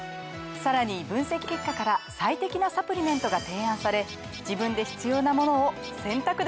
さらに分析結果から最適なサプリメントが提案され自分で必要なものを選択できます！